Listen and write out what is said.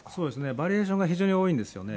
バリエーションが非常に多いんですよね。